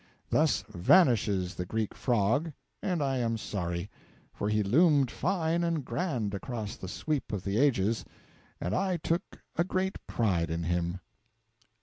Thus vanishes the Greek Frog, and I am sorry: for he loomed fine and grand across the sweep of the ages, and I took a great pride in him.